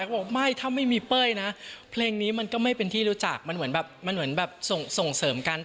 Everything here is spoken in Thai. ก็บอกไม่ถ้าไม่มีเป้ยนะเพลงนี้มันก็ไม่เป็นที่รู้จักมันเหมือนแบบมันเหมือนแบบส่งเสริมกัน